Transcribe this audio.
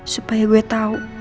supaya gue tau